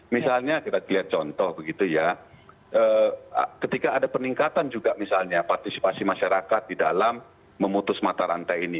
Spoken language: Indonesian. misalnya kita lihat contoh begitu ya ketika ada peningkatan juga misalnya partisipasi masyarakat di dalam memutus mata rantai ini